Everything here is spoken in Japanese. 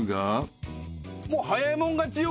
もう早い者勝ちよ